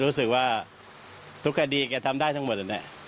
รู้สึกว่าทุกคดีแกทำได้ทั้งหมดเนี่ย